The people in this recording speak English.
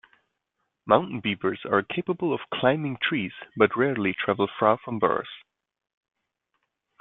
Mountain beavers are capable of climbing trees, but rarely travel far from burrows.